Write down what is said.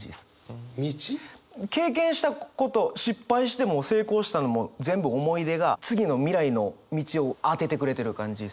経験したこと失敗しても成功したのも全部思い出が次の未来の道を当ててくれてる感じですね。